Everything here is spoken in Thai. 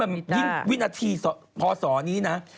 มันยิ่งวินาทีพศนี้นะ